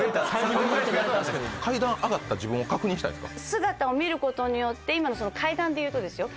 姿を見ることによって今の階段で言うとですよ。